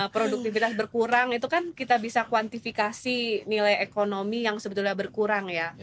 produktivitas berkurang itu kan kita bisa kuantifikasi nilai ekonomi yang sebetulnya berkurang ya